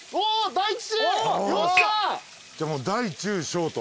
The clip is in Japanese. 大吉！